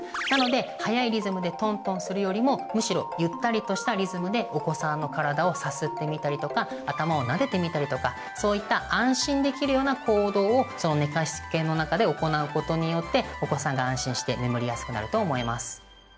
なので早いリズムでトントンするよりもむしろゆったりとしたリズムでお子さんの体をさすってみたりとか頭をなでてみたりとかそういった安心できるような行動を寝かしつけの中で行うことによってお子さんが安心して眠りやすくなると思います。